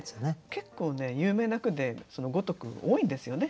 結構ね有名な句で「如く」多いんですよね。